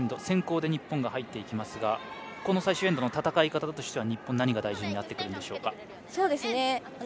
先攻で日本が入っていきますがこの最終エンドの戦い方としたら日本、何が大事になってくるんでしょうか。